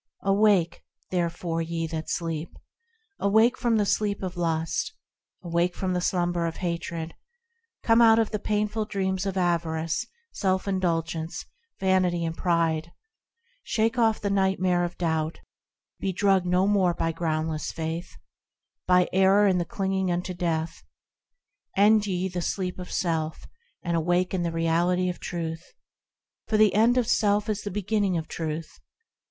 Awake ! therefore, ye that sleep ! Awake from the sleep of lust ! Awake from the slumber of hatred ! Come out of the painful dreams of avarice, self indulgence, vanity and pride ! Shake off the nightmare of doubt! Be drugged no more by groundless faith, By error, and the clinging unto death ! End ye the sleep of self, and awake in the Reality of Truth ! For the end of self is the beginning of Truth.